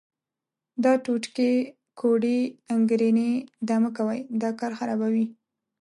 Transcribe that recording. دا ټوټکې، کوډې، انګېرنې دا مه کوئ، دا کار خرابوي.